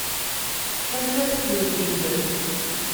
Tefkamt-as-tent-id.